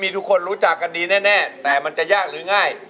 ทุกคนรู้จักกันดีแน่แต่มันจะยากหรือง่าย